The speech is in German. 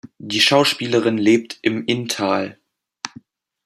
Die Schauspielerin lebt im Inntal.